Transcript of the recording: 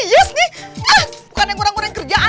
yes nih ah bukan yang ngurang ngurang kerjaan